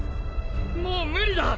もう無理だ。